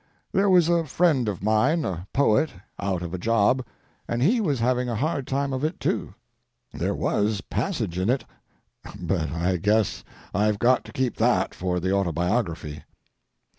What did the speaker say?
There was a friend of mine, a poet, out of a job, and he was having a hard time of it, too. There was passage in it, but I guess I've got to keep that for the autobiography.